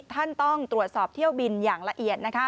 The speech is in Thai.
ท่านต้องตรวจสอบเที่ยวบินอย่างละเอียดนะคะ